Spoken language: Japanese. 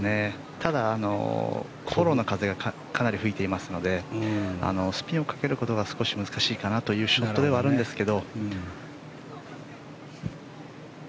ただ、フォローの風がかなり吹いていますのでスピンをかけるのは難しいかなというショットではありますが。